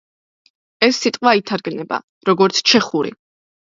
ეს სიტყვა ითარგმნება, როგორც ჩეხური.